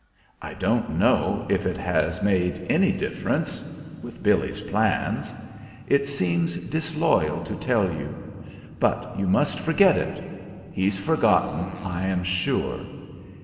I don't know if it has made any difference with Billy's plans. It seems disloyal to tell you. But you must forget it: he's forgotten, I am sure.